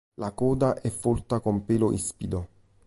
La coda è folta, con pelo ispido.